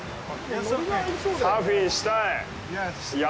サーフィンしたい。